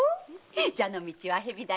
「蛇の道は蛇」だよ。